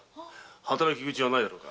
働き口はないだろうか？